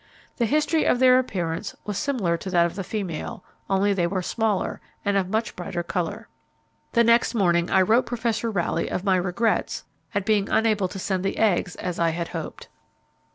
The history of their appearance, was similar to that of the female, only they were smaller, and of much brighter. colour. The next morning I wrote Professor Rowley of my regrets at being unable to send the eggs as I had hoped.